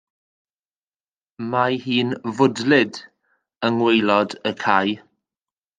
Mae hi'n fwdlyd yng ngwaelod y cae.